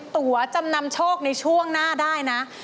ตัวจำนำโชคในช่วงหน้าได้นะ